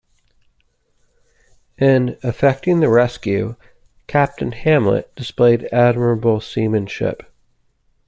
In effecting the rescue, Captain Hamlet displayed admirable seamanship.